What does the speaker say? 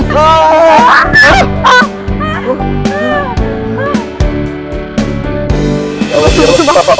nah apaan sih mre